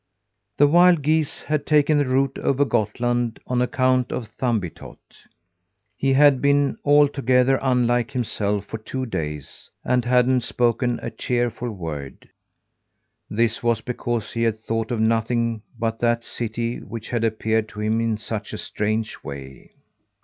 The wild geese had taken the route over Gottland on account of Thumbietot. He had been altogether unlike himself for two days, and hadn't spoken a cheerful word. This was because he had thought of nothing but that city which had appeared to him in such a strange way.